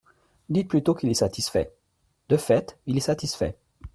Dites plutôt qu’il est satisfait ! De fait, il est satisfait.